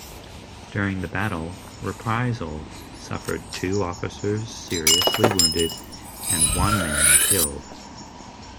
During the battle, "Reprisal" suffered two officers seriously wounded and one man killed.